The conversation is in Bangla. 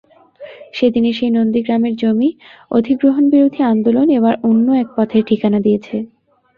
সেদিনের সেই নন্দীগ্রামের জমি অধিগ্রহণবিরোধী আন্দোলন এবার অন্য এক পথের ঠিকানা দিয়েছে।